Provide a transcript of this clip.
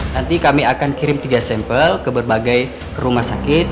nanti kami akan kirim tiga sampel ke berbagai rumah sakit